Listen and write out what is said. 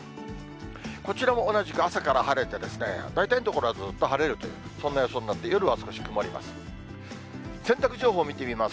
こちらも同じく、朝から晴れてですね、大体の所はずっと晴れるという、そんな予想になって、夜は少し曇ります。